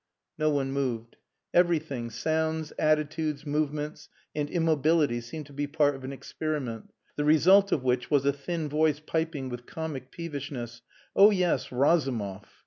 No one moved. Everything, sounds, attitudes, movements, and immobility seemed to be part of an experiment, the result of which was a thin voice piping with comic peevishness "Oh yes! Razumov.